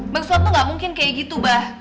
bang sulam tuh gak mungkin kayak gitu bah